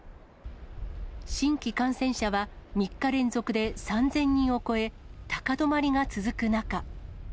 新規感染者は３日連続で３０００人を超え、高止まりが続く中。